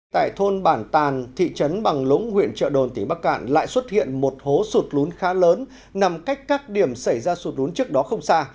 tại thôn bản tàn thị trấn bằng lũng huyện trợ đồn tỉnh bắc cạn lại xuất hiện một hố sụt lún khá lớn nằm cách các điểm xảy ra sụt lún trước đó không xa